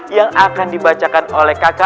yang akan dibacakan oleh kakak kakak